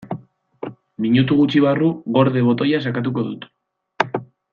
Minutu gutxi barru "gorde" botoia sakatuko dut.